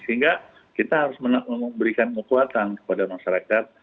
sehingga kita harus memberikan kekuatan kepada masyarakat